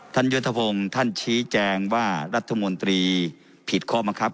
ท่านยูธภงท่านชี้แจงว่ารัฐมวลตรีผิดข้อบังครับ